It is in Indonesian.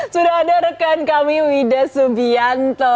sudah ada rekan kami wida subianto